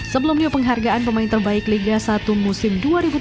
sebelumnya penghargaan pemain terbaik liga satu musim dua ribu tujuh belas